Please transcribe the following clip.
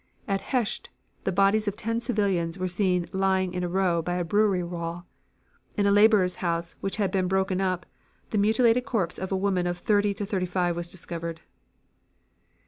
At Haecht the bodies of ten civilians were seen lying in a row by a brewery wall. In a laborer's house, which had been broken up, the mutilated corpse of a woman of thirty to thirty five was discovered."